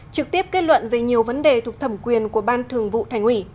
trực tiếp kết luận về nhiều vấn đề thuộc thẩm quyền của ban thường vụ thành ủy